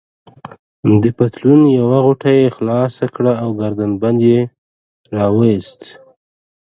د پتلون یوه غوټه يې خلاصه کړه او ګردن بند يې راوایست.